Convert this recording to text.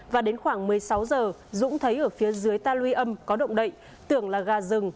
và đến khoảng một mươi sáu giờ dũng thấy ở phía dưới ta luy âm có động đậy tưởng là gà rừng